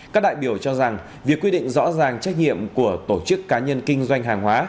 các đại biểu cho rằng việc quy định rõ ràng trách nhiệm của tổ chức cá nhân kinh doanh hàng hóa